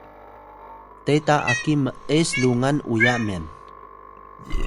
teta aki m’es lungan uya myan